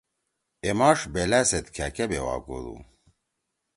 اے ماݜ بیلأ سیت کھأکأ بیوا کودُو؟